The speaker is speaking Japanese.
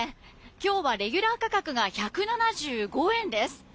今日はレギュラー価格が１７５円です。